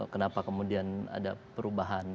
kenapa kemudian ada perubahan